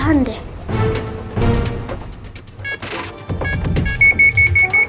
tante apa kamu mau bilang